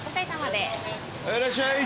いらっしゃいませ。